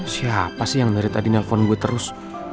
siapa sih yang dari tadi nelfon gue terus